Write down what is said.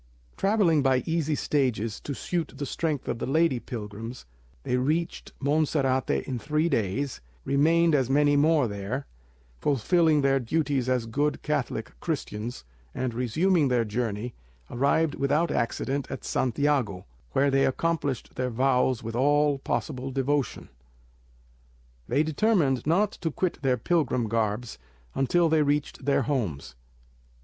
Travelling by easy stages to suit the strength of the lady pilgrims, they reached Monserrate in three days, remained as many more there, fulfilling their duties as good Catholic Christians, and resuming their journey, arrived without accident at Santiago, where they accomplished their vows with all possible devotion. They determined not to quit their pilgrim garbs until they reached their homes.